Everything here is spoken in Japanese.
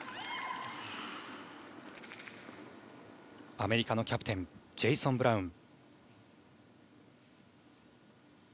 アメリカのキャプテンジェイソン・ブラウン。